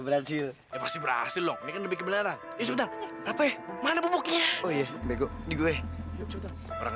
berhasil berhasil loh ini kan lebih kebenaran itu mana bubuknya oh iya